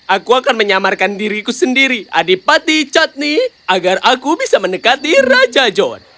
aku akan menyamarkan diriku sendiri adipati catni agar aku bisa mendekati raja john